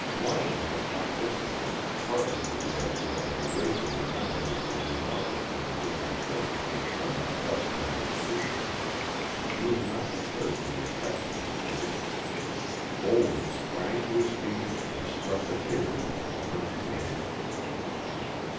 Lyon had talked jestingly, partly with the idea of erasing the memory of a remark which he began to think had been somewhat less than discreet. He was not prepared for the effect of his words. Olden sprang to his feet and struck the table with his clenched hand.